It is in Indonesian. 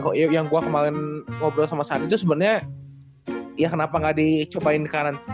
kok yang gua kemarin ngobrol sama saat itu sebenarnya ya kenapa nggak dicoba inikan